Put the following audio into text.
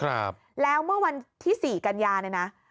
แล้วเมื่อวันที่๔กัญญาณนะนะ